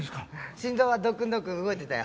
心臓はドックンドックン動いてたよ。